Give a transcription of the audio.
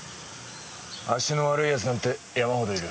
足の悪い奴なんて山ほどいる。